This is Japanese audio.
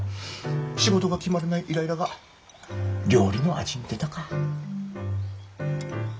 仕事が決まらないイライラが料理の味に出たか。